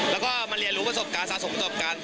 แล้วก็มาเรียนรู้ประสบการณ์สะสมจบกัน